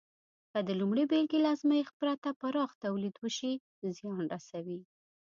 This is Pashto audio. که د لومړۍ بېلګې له ازمېښت پرته پراخ تولید وشي، زیان رسوي.